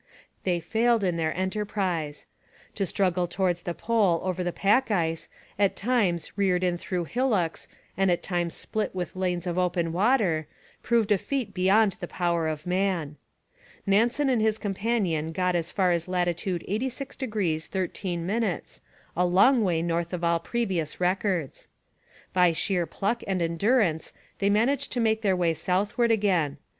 They failed in their enterprise. To struggle towards the Pole over the pack ice, at times reared in rough hillocks and at times split with lanes of open water, proved a feat beyond the power of man. Nansen and his companion got as far as latitude 86° 13', a long way north of all previous records. By sheer pluck and endurance they managed to make their way southward again.